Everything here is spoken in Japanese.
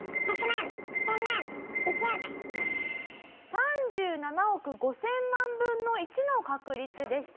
３７億５０００万分の１の確率でした。